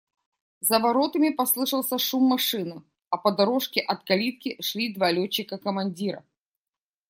За воротами послышался шум машины, а по дорожке от калитки шли два летчика-командира.